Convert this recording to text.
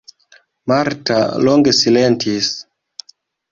Marta longe silentis.